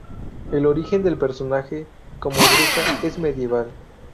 El origen del personaje como bruja es medieval.